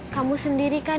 kamu sendiri kan